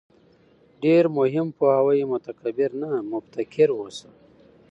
ډېر مهم پوهاوی: متکبِّر نه، مُبتَکِر اوسه